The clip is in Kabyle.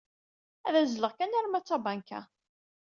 Ad azzleɣ kan arma d tabanka.